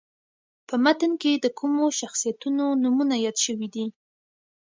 په متن کې د کومو شخصیتونو نومونه یاد شوي دي.